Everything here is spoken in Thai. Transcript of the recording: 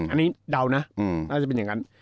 อันนี้เดานะน่าจะเป็นอย่างนั้น